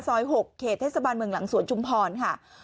๖เขตเทศบาลเมืองหลังสวนชุมพรค่ะ